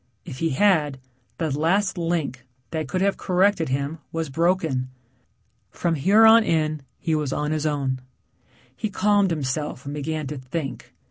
If he had, the last link, that could have corrected him was broken. From here on in he was on his own. He calmed himself and began to think.